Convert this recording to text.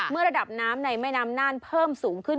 ระดับน้ำในแม่น้ำน่านเพิ่มสูงขึ้น